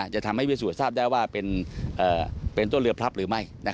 จะทำให้พิสูจนทราบได้ว่าเป็นต้นเรือพลับหรือไม่